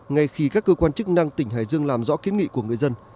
ngay khi các cơ quan chức năng tỉnh hải dương làm rõ kiến nghị của người dân